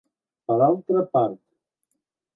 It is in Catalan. Per altra part.